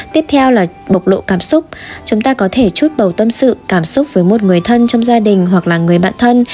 tiếp theo là bộc lộ cảm xúc chúng ta có thể chút bầu tâm sự cảm xúc với một người thân trong gia đình hoặc là người bạn thân